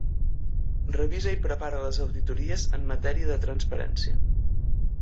Revisa i prepara les auditories en matèria de transparència.